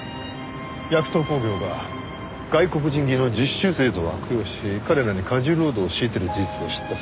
ヤクトー工業が外国人技能実習制度を悪用し彼らに過重労働を強いている事実を知った。